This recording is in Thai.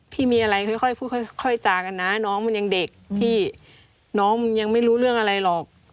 พี่มีอะไรค่อยพูดค่อยจากันนะน้องมันยังเด็กพี่น้องมันยังไม่รู้เรื่องอะไรหรอก